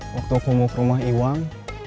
waktu aku mau ke rumah iwang